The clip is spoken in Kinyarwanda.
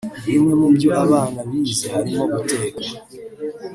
Bimwe mu byo abana bize harimo guteka